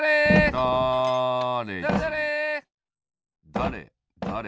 だれだれ！